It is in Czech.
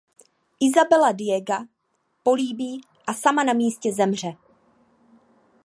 Isabela Diega políbí a sama na místě zemře.